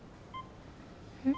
うん？